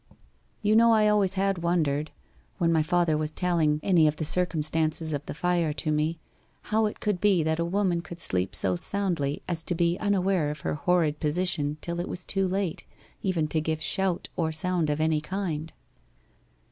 'You know I always had wondered, when my father was telling any of the circumstances of the fire to me, how it could be that a woman could sleep so soundly as to be unaware of her horrid position till it was too late even to give shout or sound of any kind.